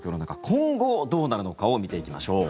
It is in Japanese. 今後、どうなるのかを見ていきましょう。